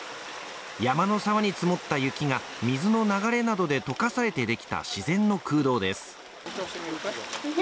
山の沢に積もった雪が水の流れなどで解かされてできた自然の空洞です。